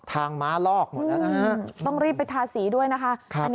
ทางมาลอกหมดแล้วนะฮะ